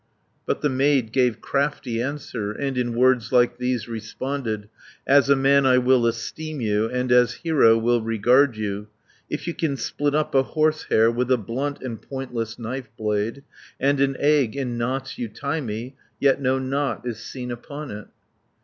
90 But the maid gave crafty answer, And in words like these responded: "As a man I will esteem you, And as hero will regard you, If you can split up a horsehair With a blunt and pointless knife blade, And an egg in knots you tie me, Yet no knot is seen upon it."